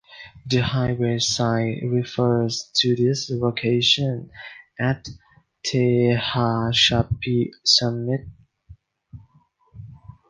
The highway sign refers to this location as Tehachapi Summit.